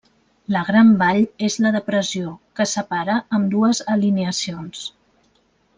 La Gran Vall és la depressió que separa ambdues alineacions.